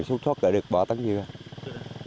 thuốc thuốc đã được bỏ tấn dưa ra